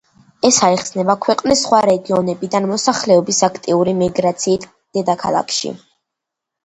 ეს აიხსნება ქვეყნის სხვა რეგიონებიდან მოსახლეობის აქტიური მიგრაციით დედაქალაქში.